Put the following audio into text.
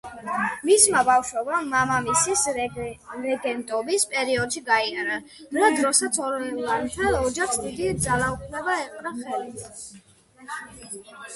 მისმა ბავშვობამ მამამისის რეგენტობის პერიოდში გაიარა, რა დროსაც ორლეანელთა ოჯახს უდიდესი ძალაუფლება ეპყრა ხელთ.